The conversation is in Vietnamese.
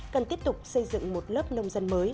cần tiếp tục xây dựng một lớp nông dân mới